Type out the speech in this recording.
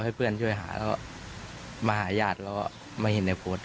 ก็ให้เพื่อนช่วยหาแล้วมาหาญาติแล้วมาเห็นในโพสต์